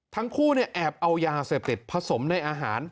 ทั้งคู่แอบเอายาเสพติดผสมในอาหาร